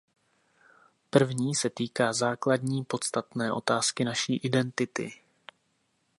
První se týká základní, podstatné otázky naší identity.